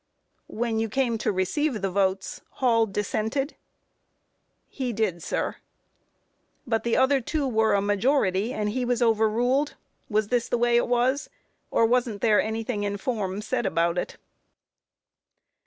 Q. When you came to receive the votes, Hall dissented? A. He did, sir. Q. But the other two were a majority, and he was overruled; was this the way it was, or wasn't there anything in form said about it?